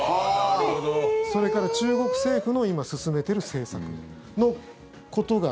それから、中国政府の今、進めている政策のことが。